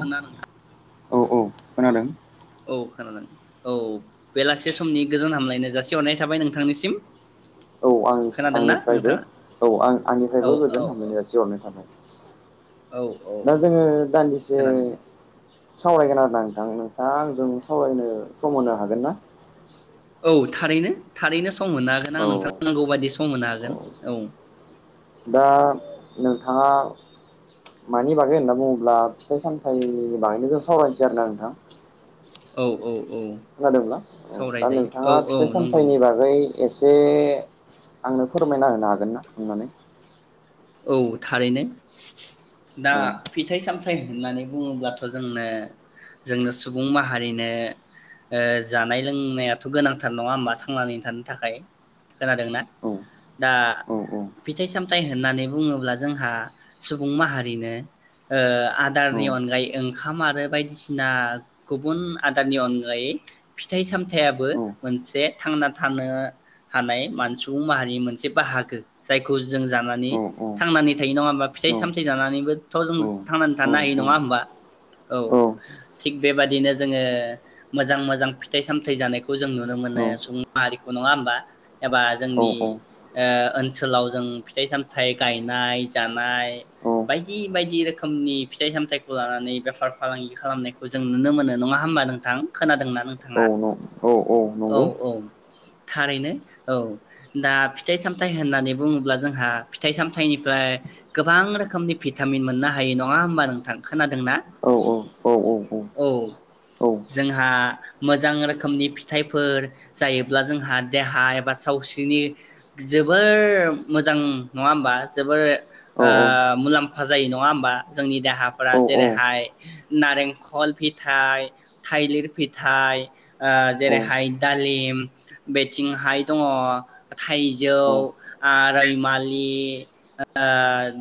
दोंना नोंथां औ औ। खोनादों। औ खोनादों औ बेलासे समनि गोजोन हामलायनो जासिहरनाय थाबाय नोंथांनिसिम। औ आंनि खोनादोंना आंनिफ्रायबो नोंथाङा औ आं औ आंनिफ्रायबो औ गोजोन हामलायनाय जासिहरनाय थाबाय औ औ दा जोङो दान्दिसे खोनादों सावरायगोन आरोना। आं नोंसां आंजों सावरायनो सम होनो हागोन ना। औ थारैनो थारैनो सम मोनाखैना औ आं नोंथां नांगौ बायदि सम [unintelligible] हागोन औ दा नोंथाङा मानि बागै होनना बुङोब्ला फिथाइ सामथायाइनि बागैनो जों सावरायनोसै आरोना नोंथां। औ औ औ खोनादोंब्ला औ दा सावरायजायो औ नोंथाङा औ फिथाइ नंगौ सामथाइनि बागै एसे आंनो फोरमायना होनो हागोन ना अननानै औ थारैनो दा औ फिथाइ-साम होननानै बुङोब्लाथ' जोंनो जोंनो सुबुं माहारिनो ओ जानाय लोंनायाथ' गोनांथार नङा होमबा थांनानै थानो थाखाय खोनादोंना औ दा औ फिथाइ सामथाइ होननानै बुङोब्ला जोंहा सुबुं माहारिनो ओ औ आदारनि अनगायै ओंखाम आरो बायदिसिना गुबुन आदारनि अनगायै फिथाइ सामथाइयाबो औ मोनसे थांना थानो हानाय मान सुबुं माहारिनि मोनसे बाहागो जायखौ जों जानानै औ थांनानै थायो नङा होमबा फिथाइ औ सामथाइ जानानैबोथ' औ नंगौ औ जों थांनानै थानो हायो नङा होमबा औ थिग बेबादिनो जोङो मोजां मोजां फिथाइ सामथाइ जानायखौ जों नुनो मोनो सुबुं माहारिखौ नङा होमबा एबा जोंनि ओ ओनसोलाव जों फिथाइ सामथाइ गायनाय जानाय बायदि बायदि रोखोमनि फिथाइ-सामथाइखौ लानानै बेफार फालांगि खालामनायखौ जों नुनो मोनो नङा होमबा नोंथां, खोनादोंना? औ नोंथाङा न' औ औ नंगौ। थारैनो औ दा फिथाइ सामथाइ होननानै बुङोब्ला जोंहा फिथ फिथाइ-सामथाइनिफ्राय गोबां रोखोमनि भिटामिन मोननो हायो नङा होमबा नोंथां खोनादोंना औ औ जोंहा मोजां रोखोमनि फिथाइफोर जायोब्ला जोंहा देहा एबा सावस्रिनि जोबोर मोजां नङा होमबा जोबोर ओ मुलाम्फा जायो नङा होमबा जोंनि देहाफोरा जेरैहाय नारेंखल फिथाइ थाइलिर फिथाइ ओ जेरैहाय दालिम बेथिंहाय दङ थाइजौ आ रैमालि नि ओह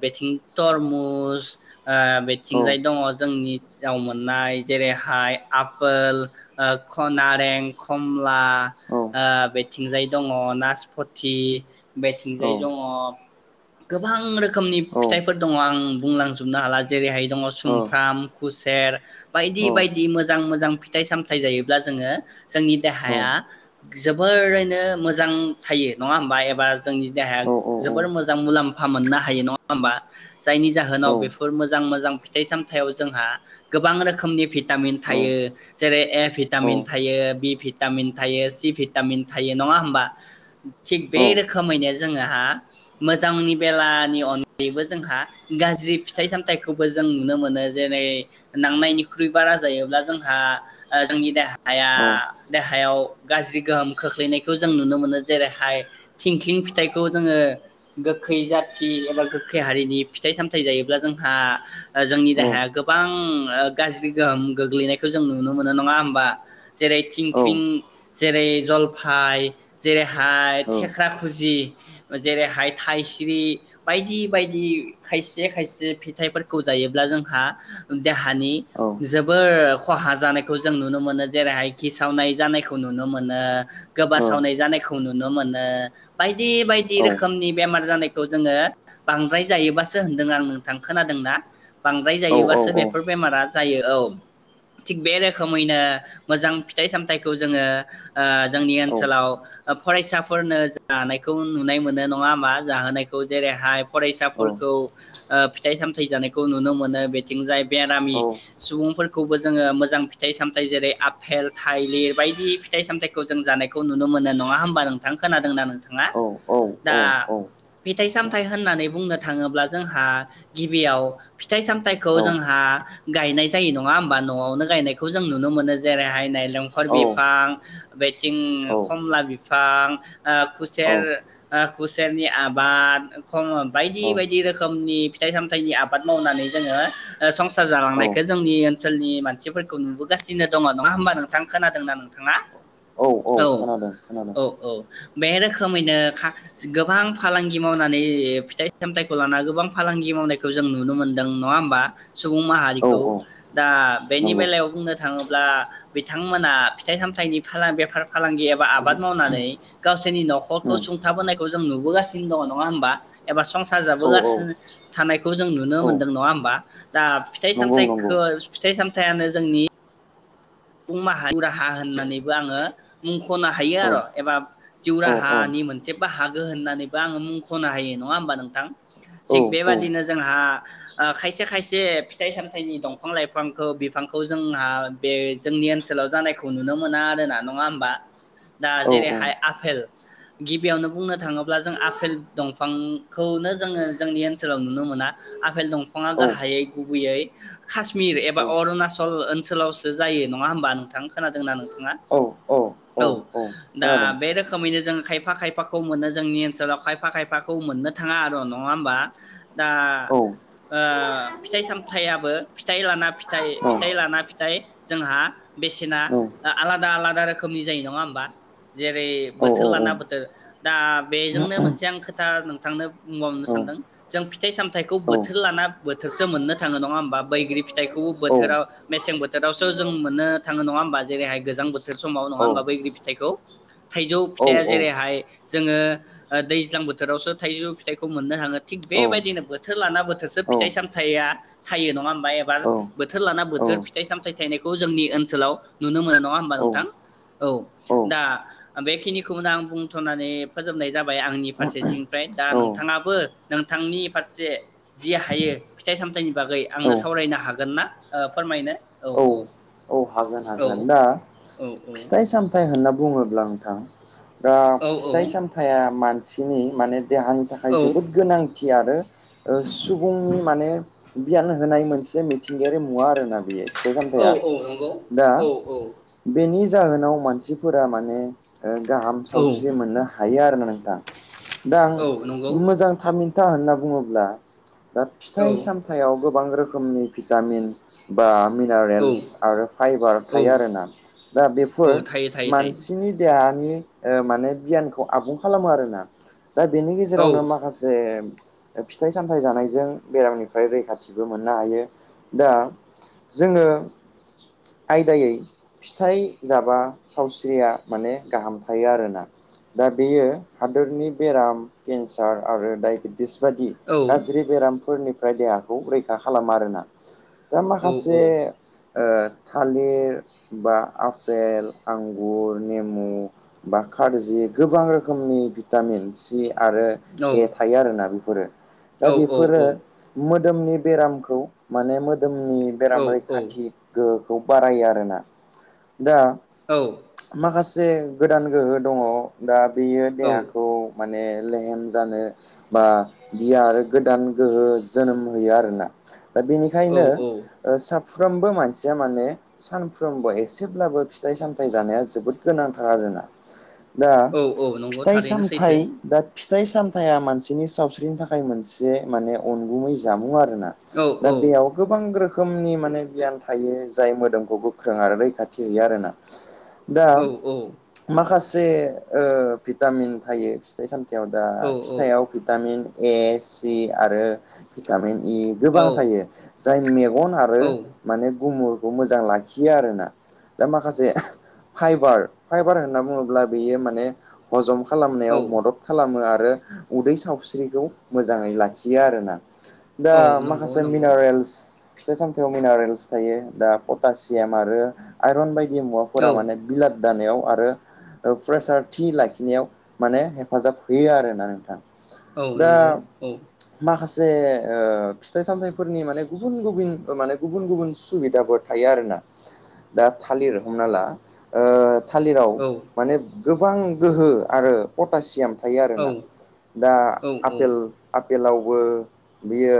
बेथिं तरमुस ओ बेथिंजाय दङ जोंनियाव मोननाय जेरैहाय आपोल ख नारें खमला ओ बेथिंजाय दङ नासपथि बेथिंजाय दङ गोबां रोखोमनि फिथाइफोर दङ आं बुंलांजोबनो हाला जेरैहाय दङ सुमफ्राम खुसेर बायदि बायदि मोजां मोजां फिथाइ सामथाइ जायोब्ला जोङो जोंनि देहाया जोबोरैनो मोजां थायो नङा होमबा एबा जोंनि देहाया जोबोर मोजां मुलाम, हुखा मोननो हायो नङा होमबा जायनि जाहोनाव बेफोर मोजां मोजां फिथाइ सामथाइयाव जोंहा गोबां रोखोमनि भिटामिन थायो जेरै ए भिटामिन थायो बि भिटामिन थायो सि भिटामिन थायो नङा होमबा थिग बे रोखोमैनो जोङोहा, मोजांनि बेलानि अनगायैबो जोंहा गाज्रि फिथाइ सामथाइखौबो जों नुनो मोनो जेरै नांनायनिख्रुइ बारा जायोब्ला जोंहा जोंनि देहाया देहायाव गाज्रि गोहोम खोख्लैनायखौ जों नुनो मोनो जेरैहाय थिंख्लिं फिथाइखौ जोङो गोखै जाथि एबा गोखै हारिनि फिथाइ सामथाइ जायोब्ला जोंहा जोंनि देहाया गोबां ओ गाज्रि गोहोम गोग्लैनायखौ जों नुनो मोनो नङा होमबा जेरै थिं थ्रिं जेरै जलफाइ जेरै हाय थेख्रा खुजि [inaudible] जेरैहाय थाइस्रि बायदि बायदि खायसे खायसे फिथाइफोरखौ जायोब्ला जोंहा देहानि जोबोर खहा जानायखौ जों नुनो मोनो जेरैहाय खिसावनाय जानायखौ नुनो मोनो गोबासावनाय जानायखौ नुनो मोनो बायदि दि रोखोमनि बेमार जानाय खौ जोङो बांद्राय जायोबासो होनदों आं नोंथां खोनादोंना बांद्राय जायोबासो बेफोर बेमारा जायो औ थिग बे रोखोमैनो मोजां फिथाइ सामथाइखौ जोङो ओह जोंनि ओनसोलाव, फरायसाफोरनो जानायखौ नुनाय मोनो नङा होमबा जाहोनायखौ जेरैहाय फरायसाफोरखौ ओ फिथाइ सामथाइ जानायखौ नुनो मोनो बेथिंजाय बेरामि सुबुंफोरखौबो जोङो मोजां फिथाइ सामथाइ जेरै आफेल थाइलिर बायदि फिथाइ सामथाइखौ जों जानायखौ नुनो मोनो नङा होमबा नोंथां खोनादोंना नोंथाङा? दा फिथाइ साम थाइ होननानै बुंनो थाङोब्ला जोंहा गिबियाव फिथाइ सामथाइखौ जोंहा गायनाय जायो नङा होमबा नआवनो गायनायखौ जों नुनो मोनो जेरैहाय नायलेंखर बिफां बेथिं खमला बिफां ओ खुसेर ओ खुसेरनि आबाद खम बायदि बायदि रोखोमनि फिथाइ सामथाइनि आबाद मावनानै जोंङो ओ संसार औ जालांनायखौ जोंनि ओनसोलनि मानसिफोरखौ नुबोगासिनो दंङ नङा होमबा नोंथां खोनादोंना नोंथाङा? औ औ खोनादों खोनादों। औ औ बे रोखोमैनो खा गोबां फालांगि मावनानै फिथाइ सामथाइखौ लानानै गोबां फालांगि मावनायखौ जों नुनो मोनदों नंङा होमबा? सुबुं औ माहारिखौ औ दा बेनि नंगौ बेलायाव बुंनो थाङोब्ला बिथांमोना फिथाइ सामथाइनि फाला बेफार फालांगि एबा आबाद मावनानै गावसोरनि न'खरखौ उम सुं थाबोनायखौ जों नुबोगासिनो दङ नङा होमबा एबा संसार औ औ जाबोगासिनो थानायखौ जों नुनो औ मोनदों नङा होमबा दा फिथाइ नंगौ नंगौ सामथाइखौ फिथाइ सामथाइयानो जोंनि सुबुं माहा जिउ राहा होननानैबो आङो मुंखनो हायो औ आरो एबा जिउ औ औ राहानि मोनसे बाहागो होननानैबो आङो मुंखनो हायो नङा होमबा नोंथां औ थिग बेबादिनो जोंहा खायसे खायसे फिथाइ सामथाइनि दंफां लाइफांखौ बिफांखौ जोंहा बे जोंनि ओनसोलाव जानायखौ नुनो मोना आरो ना नङा होमबा। दा औ जेरैहाय आफेल गिबियावनो बुंनो थांङोब्ला जों आफेल दंफांखौनो जोंङो जोंनि ओनसोलाव नुनो मोना आफेल दंफाङा गाहायै गुबैयै काश्मिर एबा अरुणाचल ओनसोलावसो जायो नङा होमबा नोंथां खोनादोंना नोंथाङा औ औ। दा खोनादों बे रोखोमैनो जों खायफा खायफा खायफाखौ मोनो जोंनि ओनसोलाव खायफा खायफाखौ मोननो थाङा आरो नङा होमबा दा औ ओ फिथाइ सामथाइयाबो फिथाइ लाना फिथाइ फिथाइ औ लाना फिथाइ जोंहा बेसेना औ आ आलादा आलादा रोखोमनि जायो नंङा होमबा? जेरै बोथोर औ औ लाना बोथोर बा बेजोंनो मोनसे आं खोथ दा नोंथांनो बुंबावनो सानदों जों फिथाइ सामथाइखौ बोथोर लाना बोथोरसो मोननो थाङो नङा होमबा बैग्रि फिथाइखौ बोथोराव मेसें बोथोर रावसो जों मोननो थाङो नङा ओमबा जैरैहाय गोजां बोथोर समाव नङा ओमबा बैग्रि फिथाइखौ थाइजौ फिथाइया जेरैहाय जोङो ओ दैज्लां बोथोरावसो थाइजौ फिथाइखौ मोननो हाङो थिग बेबायदिनो बोथोर लाना बोथोरसो फिथाइ सामथाइया थायो नङा ओमबा एबा बोथोर लाना बोथोर फिथाइ सामथाइ थायनायखौ जोंनि ओनसोलाव नुनो मोनो नंङा होमबा नोंथां? औ दा बेखिनिखौनो आं बुंथनानै फोजोबनाय जा बाय आंनि फारसेथिंफ्राय दा नों नोंथाङाबो नोंथांनि फारसे जि हायो फिथाइ सामथाइनि बागै आंनो सावरायनो हागोन ना ओ फोरमायनो औ औ औ हागोन हागोन दा औ फिथाइ सामथाइ होनना बुङोब्ला। [unintelligible] दा औ फिथाइ सामथाइया मान सिनि मानेद देहानि थाखाय जोबोद गोनांथि आरो ओ सुबुंनि माने [unintelligible] लोंहोनाय मोनसे मिथिंगायारि मुवा आरोना बियो। फिथाइ-सामथाइया औ नंगौ औ औ बेनि जाहोनाव मानसिफोरा माने ओ गाहाम औ नंगौ औ सावस्रि मोननो हायो आरोना नोंथां दा आं औ नंगौ मोजां थामिन था होनना बुंङोब्ला दा औ फिथाइ सामथाइयाव गोबां रोखोमनि भिटामिन बा औ मिनारेल्स। आरो फाइबार औ थायो आरोना दा औ बेफोर थायो थायो थायो मानसिनि देहा इ ओ माने बियानखौ आबुं खालामो आरोना दा बेनि औ गेजेरावनो माखासे। फिथाइ सामथाइ जानायजों बेरामनिफ्राय रैखाथिबो मोननो हायो दा जोङो। आयदायै फिथाइ जाबा सावस्रिया माने गाहाम थायो आरोना दा बेयो हादोरनि बेराम केन्सार आरो डायबेटिस बादि औ गाज्रि बेरामफोरनि फ्राय देहाखौ रैखा खालामो आरोना। दा औ माखासे ओ थालिर बा आफेल आंगुर नेमु बा खारजि गोबां रोखोमनि भिटामिन सि आरो औ ए थायो आरोना बे फोरो। दा औ बिफोरो मोद दोमनि बेरामखौ माने मो दोमनि औ बेराम रैखाथि फोरखौ बारायो आरोना दा मा खासे गोदान गोहो दङ दा बेयो औ देहाखौ माने लेहेम जानो बा [unintelligible] आरो। गोदान गोहो जोनोम होयो आरोना। दा औ बेनिखायनो औ ओ साफ फ्रोमबो मान सिया माने सानफ्रोमबो एसेब्लाबो फिथाइ सामथाइ जानाया जोबोद गोनांथार आरोना दा औ औ नंगौ फिथाइ थारैनो सामथाइ सैथो दा फिथाइ सामथाइया मानसिनि सावस्रिनि थाखाय मोनसे माने अनगुमै जामुं आरो औ दा औ बेयाव गोबां रोख खोमनि माने [unintelligible] थायो जाय मोदोमखौ गोख्रों आरो रैखाथि हैयो आरोना औ औ खासे ओ भिटामिन थायो फिथाइ साम इयाव दा औ फिथायाव भिटामिन ए सि आरो भिटामिन, इ गोबां थायो जाय मेव गन औ आरो बे गुमुरखौ मोजाङै लाखियो आरोना दा माखासे फायबार फायबार होन्ना बुङोब्ला बेयो माने हजम खा औ खालामनायाव मदद खालामो आद, आरो उदै सावस्रिखौ मोजाङै लाखियो आरोना दा औ नंगौ माखासे नंगौ मिनारेल्स फिथाइ सामथायाव मिनारेल, सो थायो दा पटासियाम आरो आइरन बाय इ औ मुवाफोरा माने बिलाद, दानायाव आरो प्रेसार थि लाखिनायाव माने हेफाजाब होयो आरोना नोंथां औ दा नंगौ औ माखासे ओ फिथाइ सामथाइफोरनि माने गुबुन गुबुन माने गुबुन गुबुन सुबिदाफोर थायो आरोना दा थालिर हमना ला ओ थालिराव औ माने गोबां गोहो आरो पटासियाम थायो औ आरोना दा औ आफेल आफ फेलावबो बियो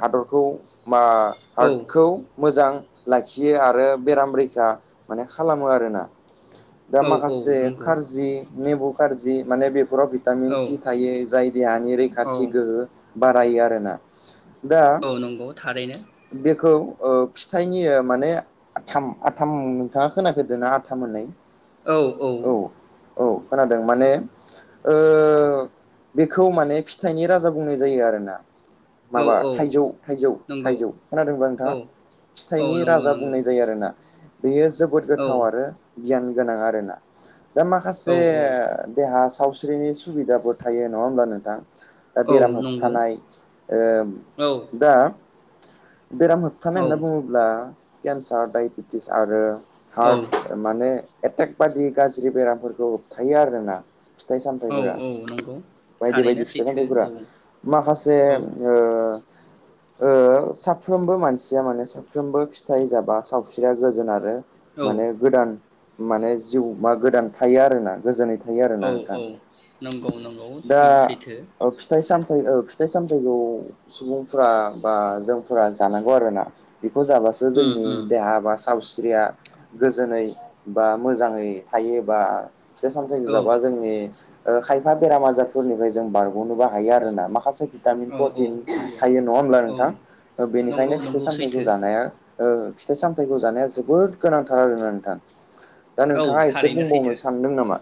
हादरखौ मा औ आर्टखौ मोजां लाखियो आरो बेराम रैखा माने खालामो आरोना दा औ माखासे नंगौ खारजि नेबु खारजि माने बे फोराव भिटामिन औ सि थायो जाय देहानि रैखाथि औ गोहो बारायो आरोना दा औ नंगौ थारैनो बेखौ ओ फिथाइनि ओ माने आथाम आथाम नोंथाङा खोनाफेरदोंना आथाम होननाय? औ औ। औ खोनादों माने ओ बेखौ माने फिथाइनि राजा बुंनाय जायो आरोना औ माबा औ थाइजौ थाइजौ नंगौ थाइजौ खोनादोंबा औ नोंथाङा? औ फिथाइनि नंगौ राजा नंगौ बुंनाय जायो आरोना। बेयो जोबोद औ गोथाव आरो गियान गोनां आरोना दा औ माखासे देहास सावस्रिनि सुबिदाबो थायो नङा होमब्ला नोंथां? दा औ बेराम नंगौ होबथानाय ओ औ दा बेराम होबथानाय होनना बुङोब्ला केन्सार डाइबेटिस आरो औ हार्ट माने एटेक बादि गाज्रि बेरामफोरखौ होबथायो आरोना। फिथाइ औ सामथाइफोरा नंगौ बायदि थारैनो बायदि फिथाइ सैथो सामथाइफोरा औ माखासे औ ओ ओ साफ्रोमबो मानसिया माने सानफ्रोमबो फिथाइ जाबा सावस्रिया गोजोन आरो औ माने गोदान माने जिउ मा गोदान थायो आरोना गोजोनै था औ औ नंगौ नंगौ थै दा सैथो ओ [unintelligible] फिथाइ सामथाइखौ सुबुंफोरा बा जोंफोरा जानांगौ आरोना बेखौ जाबासो उम जोंनि उम देहा बा साव स्रिया गोजोनै बा मोजाङै थायोबा फिथाइ सामथाइखो औ जाबा जोंनि ओ खायफा बेराम आजारफोरनिफ्राय जों बारगनोबो हायो आरोना माखासे भिटामिन औ औ प्रटिन नंगौ थायो नङा होमब्ला नों औ थां नंगौ बेनिखायनो फिथाइ नंगौ सामथायाइखौ सैथो जानाया ओ फिथाइ सामथाइखौ जानाया जोबोद गोनांथार आरोना नोंथां दा औ नोंथाङा एसे थारैनो सैथो बुंबावनो सानदों नामा?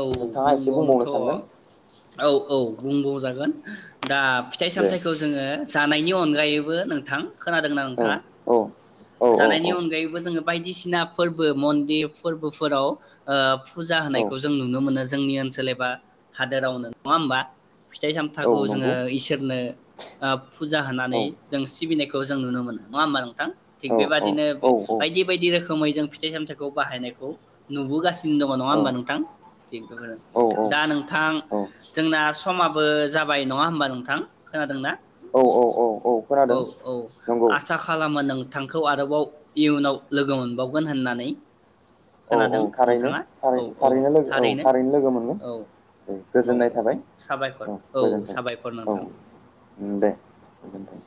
औ नोंथाङा एसे बुंबावनोथ बुंबावनो सानदों औ औ बुंबाव जाग गोन दाब फिथाइ दे सामथाइखौ जोङो जानायनि अनगायै बो नोंथां। खोनादोंना औ नोंथाङा? औ औ जानायनि औ अनगायैबो जों जों बायदिसिना फोरबो मन्दिर फोरबोफोराव ओ फुजा औ होनायखौ जों नुनो मोनो जोंनि ओनसोल एबा हादोरावनो नङा होमबा? फिथाइ औ सामथाखौ जोङो नंगौ इसोरनो ओ फुजा औ होनानै जों सिबिनायखौ जों नुनो मोनो नङा होमबा नोंथां? औ थिग बेबादिनो औ बे बायदि बायदि रोखोमै जों फिथाइ सामथायाइखौ बाहायनायखौ नुबोगासिनो दङ नङा होमबा नोंथां थिग औ बेफोरनो दा नोंथां जोंना समाबो जाबाय नङा होमबा नोंथां खोनादोंना औ औ खोनादों औ नंगौ आसा खालामो नों थांखौ आरोबाव इयुनाव लोगो मोनबावगोन होननानै औ खोनादों थारैनो नोंथाङा औ औ थारैनो लोगो औ थारैनो लोगो मोनगोन औ दे औ गोजोननाय औ थाबाय साबायखर औ गोजोनथों साबायखर औ नोंथां दे गोजोनथों।